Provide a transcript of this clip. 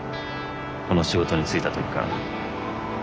この仕事に就いた時から。